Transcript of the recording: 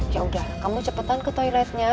yaudah kamu cepetan ke toiletnya